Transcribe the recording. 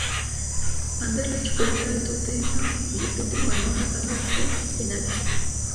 Anderlecht frente al Tottenham, y este último ganó en la tanda de penaltis.